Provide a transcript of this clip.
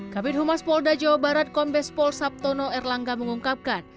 kabin humas polda jawa barat kombes pol sabtono erlangga mengungkapkan